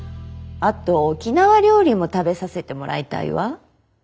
あと沖縄料理も食べさせてもらいたいわ。